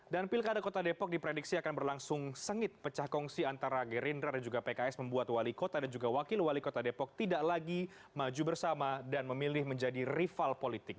dan pilkada kota depok diprediksi akan berlangsung sengit pecah kongsi antara gerindra dan juga pks membuat wali kota dan juga wakil wali kota depok tidak lagi maju bersama dan memilih menjadi rival politik